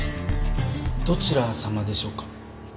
どちらさまでしょうか？